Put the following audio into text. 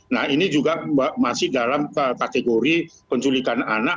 nah ini juga masih dalam kategori penculikan anak